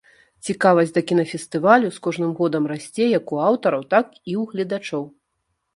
Цікавасць да кінафестывалю з кожным годам расце як у аўтараў, так і ў гледачоў.